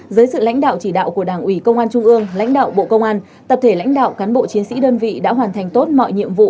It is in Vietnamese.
dưới sự lãnh đạo chỉ đạo của đảng ủy công an trung ương lãnh đạo bộ công an tập thể lãnh đạo cán bộ chiến sĩ đơn vị đã hoàn thành tốt mọi nhiệm vụ